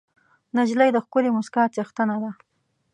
نجلۍ د ښکلې موسکا څښتنه ده.